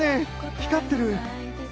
光ってる！